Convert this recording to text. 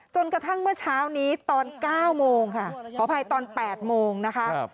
จนกระทั่งเมื่อเช้านี้ตอน๙โมงค่ะขออภัยตอน๘โมงนะคะ